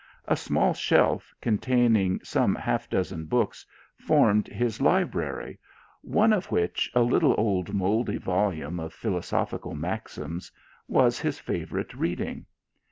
A small shelf, containing some half dozen books, formed his library, one of which, a little old mouldy volume of philo sophical maxims, was his favourite reading.